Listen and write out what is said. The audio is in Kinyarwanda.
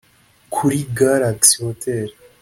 kuri Galaxy Hotel